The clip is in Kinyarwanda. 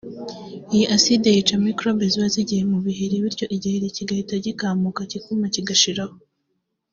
iyi acide yica mikorobe ziba zagiye mu biheri bityo igiheri kigahita gikamuka kikuma kigashiraho